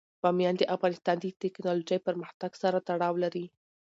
بامیان د افغانستان د تکنالوژۍ پرمختګ سره تړاو لري.